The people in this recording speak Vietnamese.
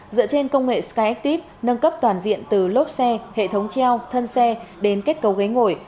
dựa trên công nghệ skyactip nâng cấp toàn diện từ lốp xe hệ thống treo thân xe đến kết cấu ghế ngồi